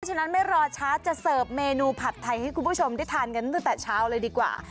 ฉะนั้นไม่รอช้าจะเสิร์ฟเมนูผัดไทยให้คุณผู้ชมได้ทานกันตั้งแต่เช้าเลยดีกว่า